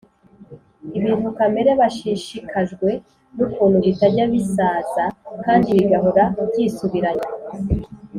ibintu kamere bashishikajwe n’ukuntu bitajya bisaza kandi bigahora byisubiranya.